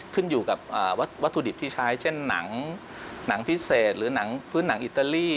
ขึ้นอยู่กับวัตถุดิบที่ใช้เช่นหนังพิเศษหรือหนังพื้นหนังอิตาลี